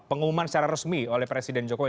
pengumuman secara resmi oleh presiden jokowi